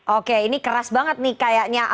oke ini keras banget nih kayaknya